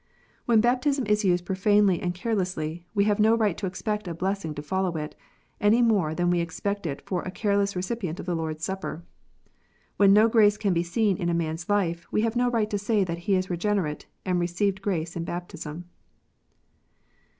When baptism is used profanely and carelessly, we have 110 right to expect a blessing to follow it, any more than we expect it for a careless recipient of the Lord s Supper. When no grace can be seen in a man s life, we have no right to say that he is regenerate and received grace in baptism.